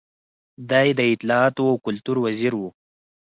دی د اطلاعاتو او کلتور وزیر و.